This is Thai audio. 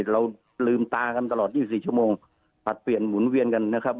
เราลืมตากันตลอด๒๔ชั่วโมงผลัดเปลี่ยนหมุนเวียนกันนะครับ